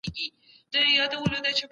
نړيوالو حقوقو ته درناوی سياسي ثبات راولي.